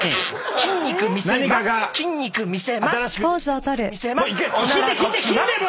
筋肉見せます」